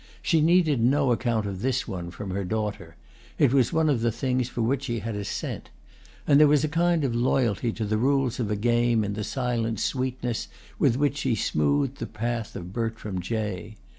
She needed no account of this one from her daughter—it was one of the things for which she had a scent; and there was a kind of loyalty to the rules of a game in the silent sweetness with which she smoothed the path of Bertram Jay.